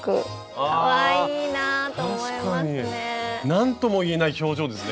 何とも言えない表情ですね